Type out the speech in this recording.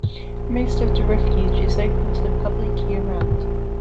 Most of the refuge is open to the public year round.